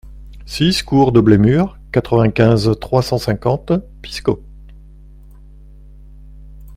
six cour de Blémur, quatre-vingt-quinze, trois cent cinquante, Piscop